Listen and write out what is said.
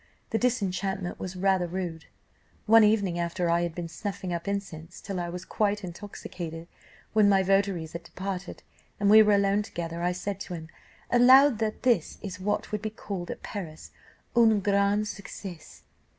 The disenchantment was rather rude. "One evening, after I had been snuffing up incense till I was quite intoxicated, when my votaries had departed, and we were alone together, I said to him, 'Allow that this is what would be called at Paris, un grand succés.